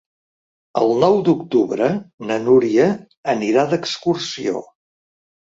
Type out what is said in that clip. El nou d'octubre na Núria anirà d'excursió.